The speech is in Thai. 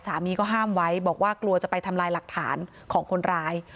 สามีก็ห้ามไว้บอกว่ากลัวจะไปทำลายหลักฐานของคนร้าย